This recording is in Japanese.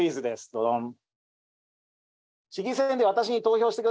ドドン！